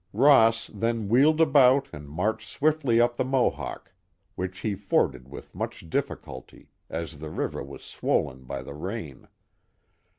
Ross then wheeled about and marched swiftly up the Mohawk, which he forded with much difficulty, as the river was swollen by the rain.